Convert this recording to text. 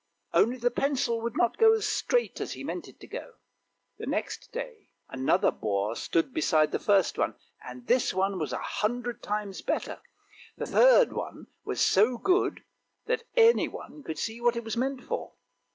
Only the pencil would not go as straight as he meant it to go. The next day another boar stood beside the first one, and this one was a hundred times better; the third one was so good that anyone could see what it was meant for.